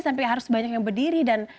sampai harus banyak yang berdiri dan